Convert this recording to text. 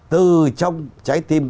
từ trong trái tim